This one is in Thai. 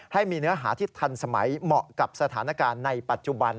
ให้มีเนื้อหาที่ทันสมัยเหมาะกับสถานการณ์ในปัจจุบัน